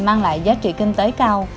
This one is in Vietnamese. mang lại giá trị kinh tế cao